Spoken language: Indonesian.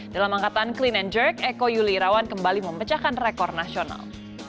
dalam angkatan clean and jerk eko yuli irawan kembali memecahkan rekor nasional